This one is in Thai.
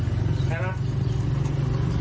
ใช่หรือ